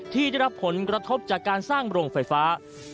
ที่ได้รับผลกระทบจากการสร้างโรงไฟฟ้า